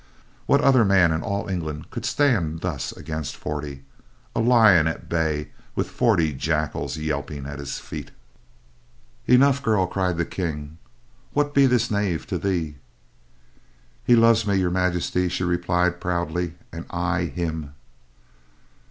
What other man in all England could stand thus against forty? A lion at bay with forty jackals yelping at his feet." "Enough, girl," cried the King, "what be this knave to thee?" "He loves me, Your Majesty," she replied proudly, "and I, him."